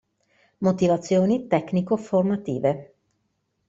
Motivazioni tecnico formative.